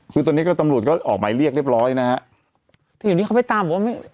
คือตอนนี้ก็ตำรวจก็ออกหมายเรียกเรียบร้อยนะฮะที่เดี๋ยวนี้เขาไปตามบอกว่าไม่